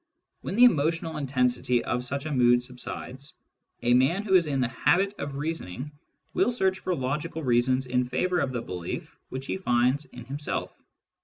When the emo tional intensity of such a mood subsides, a man who is in the habit of reasoning will search for logical reasons in favour of the belief which he finds in himself.